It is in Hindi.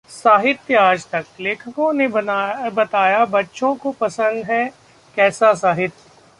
साहित्य आजतक: लेखकों ने बताया बच्चों को पसंद है कैसा साहित्य?